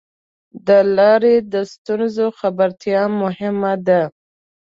د لارې د ستونزو خبرتیا مهمه ده.